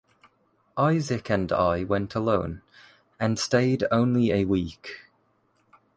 Isaac and I went alone, and stayed only a week.